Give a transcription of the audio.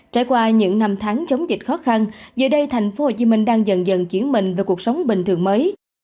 trải qua những năm tháng chống dịch khó khăn giờ đây thành phố hồ chí minh đang dần dần chuyển mình về cuộc sống bình thường mới